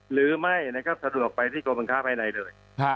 หรือไม่ก็สะดวกไปที่โรงพยาบาลภายในเลย